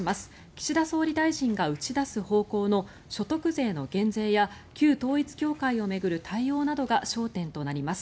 岸田総理大臣が打ち出す方向の所得税の減税や旧統一教会を巡る対応などが焦点となります。